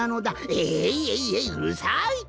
「えいえいえいうるさい」と。